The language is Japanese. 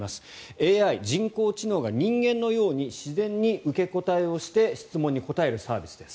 ＡＩ・人工知能が人間のように自然に受け答えをして質問に答えるサービスです。